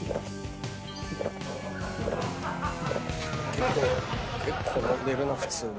結構結構飲んでるな普通に。